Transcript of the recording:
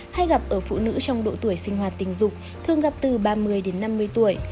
hay gặp ở phụ nữ trong độ tuổi sinh hoạt tình dục thường gặp từ ba mươi đến năm mươi tuổi